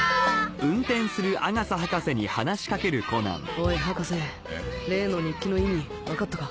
おい博士例の日記の意味分かったか？